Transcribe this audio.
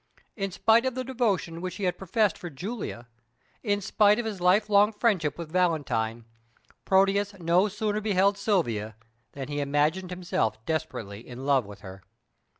In spite of the devotion which he had professed for Julia, in spite of his lifelong friendship with Valentine, Proteus no sooner beheld Silvia than he imagined himself desperately in love with her.